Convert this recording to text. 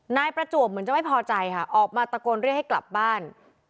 นายประจวบเหมือนจะไม่พอใจค่ะออกมาตะโกนเรียกให้กลับบ้าน